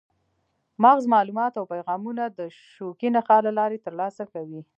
مغز معلومات او پیغامونه د شوکي نخاع له لارې ترلاسه کوي.